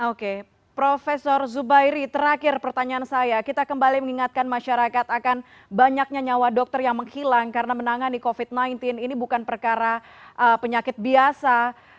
oke profesor zubairi terakhir pertanyaan saya kita kembali mengingatkan masyarakat akan banyaknya nyawa dokter yang menghilang karena menangani covid sembilan belas ini bukan perkara penyakit biasa